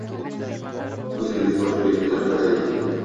O’zingiz bosh bo’ling… Tezroq bajaring…